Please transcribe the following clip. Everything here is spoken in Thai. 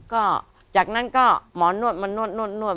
ก็จากนั้นก็หมอนวดมานวด